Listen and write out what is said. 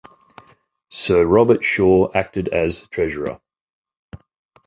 Sir Robert Shaw acted as treasurer.